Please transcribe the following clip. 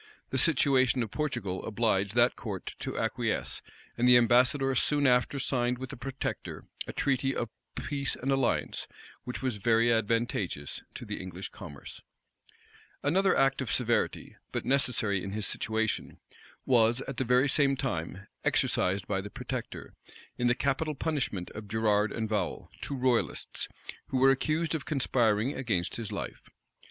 The situation of Portugal obliged that court to acquiesce; and the ambassador soon after signed, with the protector, a treaty of peace and alliance, which was very advantageous to the English commerce. * Thurloe, vol. ii. p. 429. Thurloe, vol. i. p. 616. Another act of severity, but necessary in his situation, was, at the very same time, exercised by the protector, in the capital punishment of Gerard and Vowel, two royalists, who were accused of conspiring against his life.